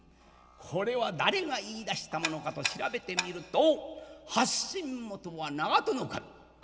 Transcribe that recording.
これは誰が言いだしたものかと調べてみると発信元は長門守。